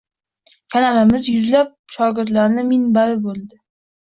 Kanalimiz yuzlab shogirdlarning minbari boʻldi.